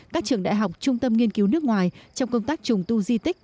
các trường đại học trung tâm nghiên cứu nước ngoài trong công tác trùng tu di tích